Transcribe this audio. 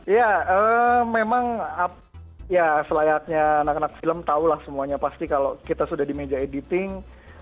ya memang ya selayaknya anak anak film tahulah semuanya pasti kalau kita sudah di meja editing